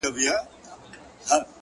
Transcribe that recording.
هوډ د شکونو شور خاموشوي